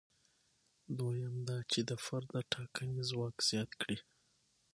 دویم دا چې د فرد د ټاکنې ځواک زیات کړي.